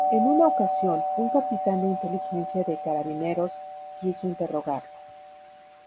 En una ocasión, un capitán de Inteligencia de Carabineros quiso interrogarlo.